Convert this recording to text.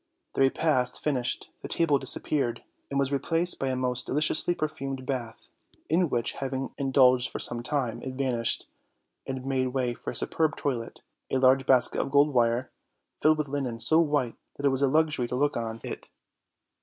Their repast finished, the table disappeared and was replaced by a most deliciously perfumed bath, in which having indulged for some time, it vanished, and made way for a superb toilette, and large baskets of gold wire, filled with linen so white that it was a luxury to look on OLD, OLD FAIRY TALES. 4g it.